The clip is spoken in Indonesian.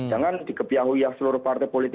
jangan dikepihaui seluruh partai politik